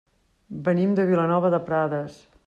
Venim de Vilanova de Prades.